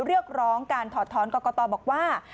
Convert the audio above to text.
เรียกร้องการถอดท้อนกรกตบอกว่า